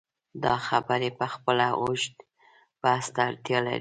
دا خبرې پخپله اوږد بحث ته اړتیا لري.